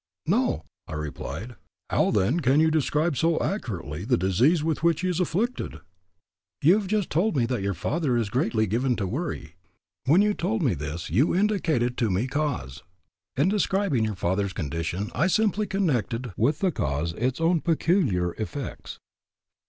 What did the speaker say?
"No," I replied. "How then can you describe so accurately the disease with which he is afflicted?" "You have just told me that your father is greatly given to worry. When you told me this you indicated to me cause. In describing your father's condition I simply connected with the cause its own peculiar effects."